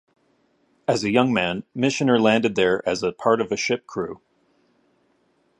As a young man, Michener landed there as a part of a ship crew.